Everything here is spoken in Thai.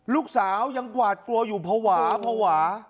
ลูกสาวยังกวาดกลัวอยู่ผวา